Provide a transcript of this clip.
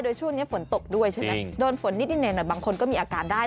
โดยช่วงนี้ฝนตกด้วยใช่ไหมโดนฝนนิดหน่อยบางคนก็มีอาการได้